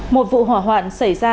một vụ hỏa hoạn xảy ra